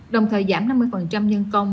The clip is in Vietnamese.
đồng thời giảm năm mươi nhân công